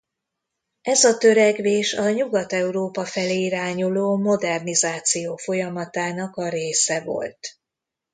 Ez a törekvés a Nyugat-Európa felé irányuló modernizáció folyamatának a része volt.